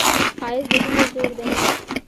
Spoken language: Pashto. ښایست د هیلو زور دی